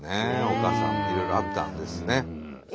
丘さんもいろいろあったんですね。